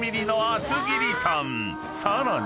［さらに］